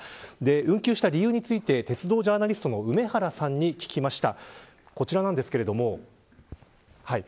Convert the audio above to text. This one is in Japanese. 運休した理由について鉄道ジャーナリストの梅原さんに聞きました。